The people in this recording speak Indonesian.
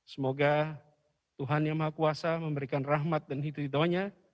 semoga tuhan yang maha kuasa memberikan rahmat dan hidup ridhonya